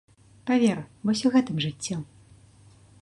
Павер, вось у гэтым жыццё.